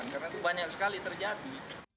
karena itu banyak sekali terjadi